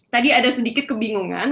tadi ada sedikit kebingungan